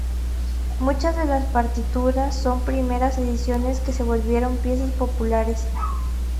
Muchas de las partituras son primeras ediciones que se volvieron piezas populares.